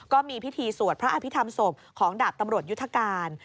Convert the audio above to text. ก็มีพิธีสวดพระอภิษฐรรมศพของดาบตำรวจยุทธการ